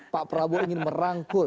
pak prabowo ingin merangkul